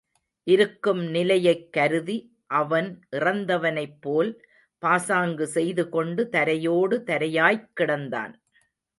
இருக்கும் நிலையைக் கருதி, அவன் இறந்தவனைப் போல் பாசாங்கு செய்து கொண்டு தரையோடு தரையாய்க் கிடந்தான்.